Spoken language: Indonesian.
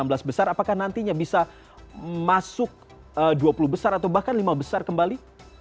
enam belas besar apakah nantinya bisa masuk dua puluh besar atau bahkan lima besar kembali